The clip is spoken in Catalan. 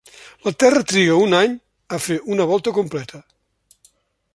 La Terra triga un any a fer una volta completa.